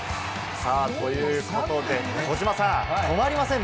ということで児嶋さん、止まりませんね！